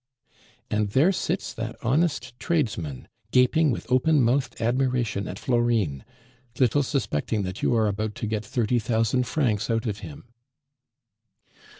"And there sits that honest tradesman, gaping with open mouthed admiration at Florine, little suspecting that you are about to get thirty thousand francs out of him!